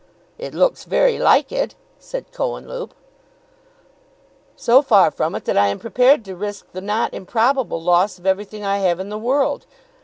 "It looks very like it," said Cohenlupe. "So far from it that I am prepared to risk the not improbable loss of everything I have in the world.